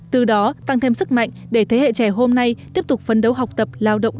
từ đó tăng thêm sức mạnh để thế hệ trẻ hôm nay tiếp tục phấn đấu học tập lao động